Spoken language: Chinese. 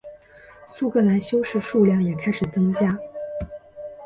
苏格兰修士数量也开始增加。